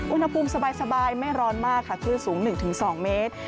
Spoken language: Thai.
อุณหภูมิสบายไม่ร้อนมากค่ะคลื่นสูง๑๒เมตร